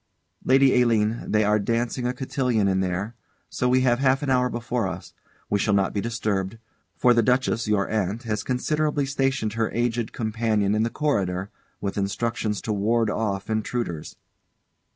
_] Lady Aline, they are dancing a cotillon in there, so we have half an hour before us. We shall not be disturbed, for the Duchess, your aunt, has considerately stationed her aged companion in the corridor, with instructions to ward off intruders.